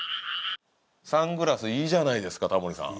サングラスいいじゃないですかタモリさん。